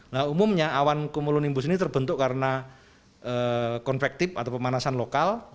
nah umumnya awan kumulonimbus ini terbentuk karena konvektif atau pemanasan lokal